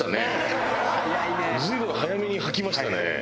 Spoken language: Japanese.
随分早めに吐きましたね。